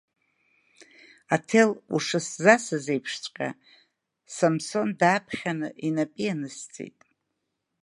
Аҭел ушсзасызеиԥшҵәҟьа Самсон дааԥхьаны инапы ианысҵеит.